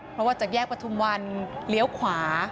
เพราะว่าจากแยกประทุมวันเลี้ยวขวา